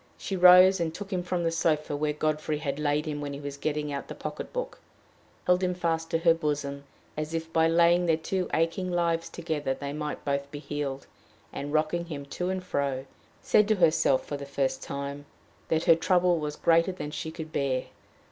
She rose and took him from the sofa where Godfrey had laid him when he was getting out the pocket book, held him fast to her bosom, as if by laying their two aching lives together they might both be healed, and, rocking him to and fro, said to herself, for the first time, that her trouble was greater than she could bear.